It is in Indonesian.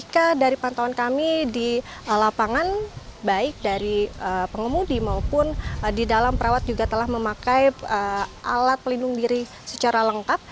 dari pantauan kami di lapangan baik dari pengemudi maupun di dalam perawat juga telah memakai alat pelindung diri secara lengkap